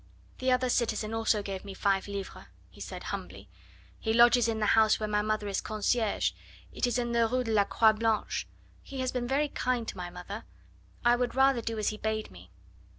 "The other citizen also gave me five livres," he said humbly. "He lodges in the house where my mother is concierge. It is in the Rue de la Croix Blanche. He has been very kind to my mother. I would rather do as he bade me."